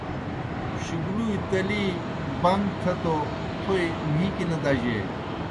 شُگلُوئے تلِی بَن٘گ تھہ توْ تھوئے مھیکیْ نہ دجیئے۔